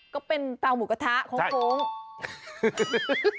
ก็เป็นเตาหมูกระทะโค้ง